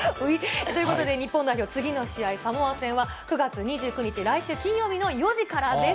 ということで、日本代表、次の試合、サモア戦は、９月２９日、来週金曜日の４時からです。